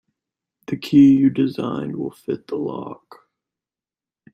The key you designed will fit the lock.